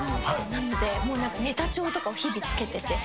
なのでネタ帳とかを日々つけてて。